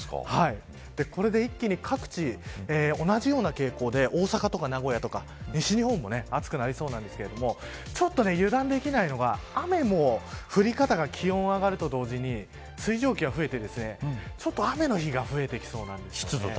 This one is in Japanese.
これで一気に各地同じような傾向で大阪とか名古屋とか、西日本も暑くなりそうなんですけどちょっと油断できないのが雨も降り方が気温が上がると同時に水蒸気が増えてちょっと雨の降る日が増えてきそうなんです。